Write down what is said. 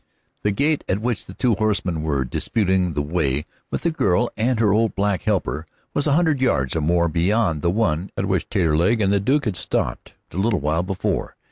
The gate at which the two horsemen were disputing the way with the girl and her old black helper was a hundred yards or more beyond the one at which Taterleg and the Duke had stopped a little while before.